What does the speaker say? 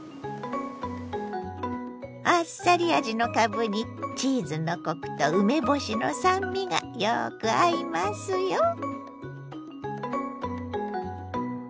あっさり味のかぶにチーズのコクと梅干しの酸味がよく合いますよ。